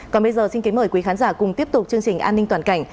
còn bây giờ xin kính mời quý khán giả cùng tiếp tục chương trình an ninh toàn cảnh